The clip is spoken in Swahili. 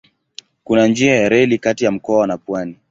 Kuna njia ya reli kati ya mkoa na pwani.